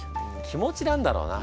気持ちなんだろうな。